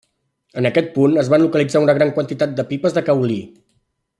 En aquest punt es van localitzar una gran quantitat de pipes de caolí.